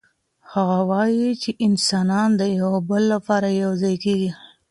هغه وايي چي انسانان د يو بل لپاره يو ځای کيږي.